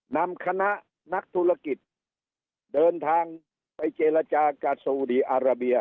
นำคณะนักธุรกิจเดินทางไปเจรจากับซูดีอาราเบีย